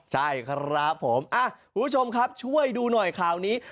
ใช่ครับผมคุณผู้ชมครับช่วยดูหน่อยข่าวนี้